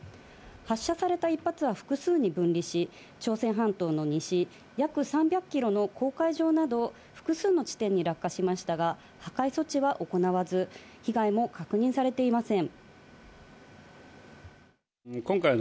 発射された一発は複数に分離し、朝鮮半島の西、約３００キロの黄海上など、複数の地点に落下しましたが、破壊措置は行わず、被害も確認されていません。